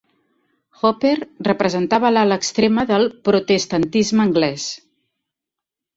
Hooper representava l'ala extrema del protestantisme anglès.